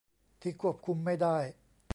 ที่ควบคุมไม่ได้